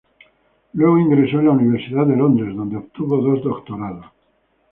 Luego ingresó a la Universidad de Londres, donde obtuvo dos doctorados.